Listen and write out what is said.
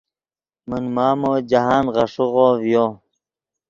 من مامو جاہند غیݰیغو ڤیو